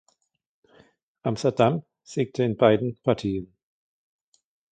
Amsterdam siegte in beiden Partien.